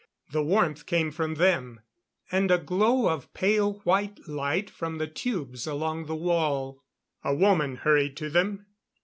The warmth came from them; and a glow of pale white light from the tubes along the wall. A woman hurried to them.